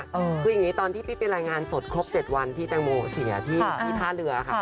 คืออย่างนี้ตอนที่พี่ไปรายงานสดครบ๗วันที่แตงโมเสียที่ท่าเรือค่ะ